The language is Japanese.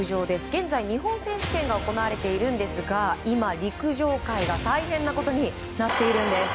現在、日本選手権が行われているんですが今、陸上界が大変なことになっているんです。